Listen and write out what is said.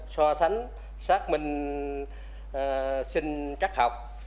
so sánh xác minh xin trắc học